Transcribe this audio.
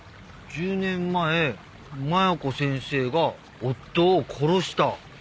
１０年前麻弥子先生が夫を殺した。